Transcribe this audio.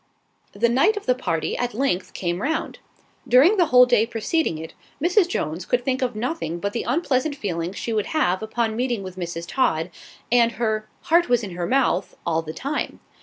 The night of the party at length came round. During the whole day preceding it, Mrs. Jones could think of nothing but the unpleasant feelings she would have upon meeting with Mrs. Todd, and her "heart was in her mouth" all the time.